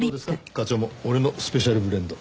課長も俺のスペシャルブレンド。